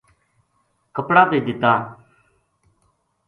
کپڑا بے دتا